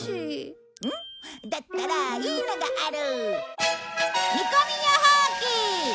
だったらいいのがある。